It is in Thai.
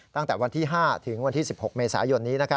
ตั้งแต่วันที่๕ถึงวันที่๑๖เมษายนนี้